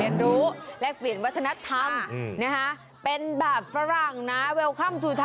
เออแลกเปลี่ยนเรียนรู้